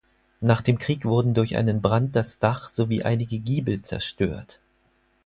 Nach dem Krieg wurden durch einen Brand das Dach sowie einige Giebel zerstört.